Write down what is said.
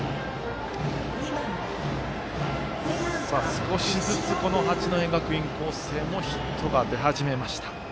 少しずつ、八戸学院光星ヒットが出始めました。